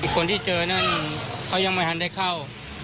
คนที่เจอนั่นเขายังไม่ทันได้เข้า